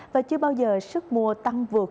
và chưa bao giờ sức mua tăng vượt